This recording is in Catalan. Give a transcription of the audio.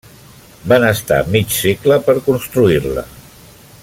Van estar mig segle per construir-la.